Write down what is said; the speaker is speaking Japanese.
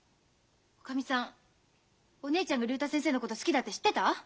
おかみさんお姉ちゃんが竜太先生のこと好きだって知ってた？